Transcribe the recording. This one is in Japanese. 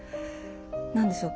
何でしょう